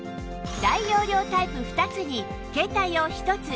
大容量タイプ２つに携帯用１つ